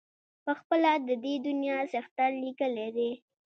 پخپله د دې دنیا څښتن لیکلی دی.